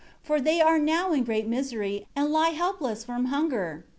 For they are now in great misery; and lie helpless from hunger.'